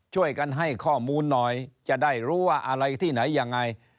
ช่วยกันให้ข้อมูลหน่อยจะได้รู้ว่าอะไรที่ไหนยังไง